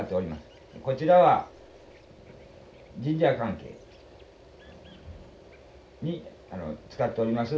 こちらは神社関係に使っております